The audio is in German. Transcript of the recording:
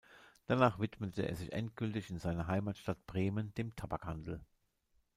Danach widmete er sich endgültig in seiner Heimatstadt Bremen dem Tabakhandel.